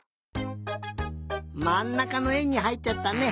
まんなかのえんにはいっちゃったね。